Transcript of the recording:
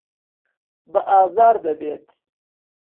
بە ئازار دەبێت.